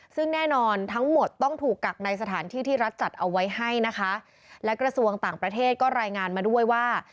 ซึ่งแน่นอนทั้งหมดต้องถูกกักในสถานที่ที่รัฐจัดเอาไว้ให้นะคะและกระทรวงต่างประเทศก็รายงานมาด้วยว่า